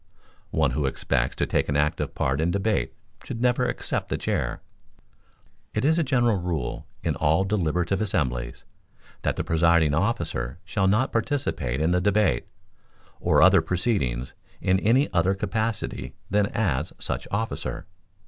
One who expects to take an active part in debate should never accept the chair. "It is a general rule, in all deliberative assemblies, that the presiding officer shall not participate in the debate, or other proceedings, in any other capacity than as such officer.